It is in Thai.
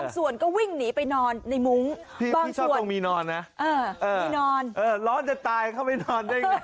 ส่วนก็วิ่งหนีไปนอนในหมูบ้านส่วนมานานนะนะนอนแล้วล้อจะตายเข้าไปนอน